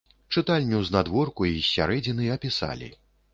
Чытальню з надворку й з сярэдзіны апісалі.